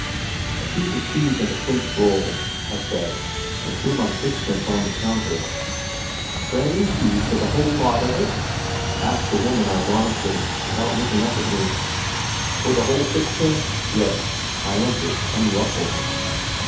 "A piece of cheese and a French roll," I said, and threw my sixpence on to the counter. "Bread and cheese for the whole of it?" asked the woman ironically, without looking up at me. "For the whole sixpence? Yes," I answered, unruffled.